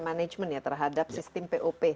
manajemen terhadap sistem pop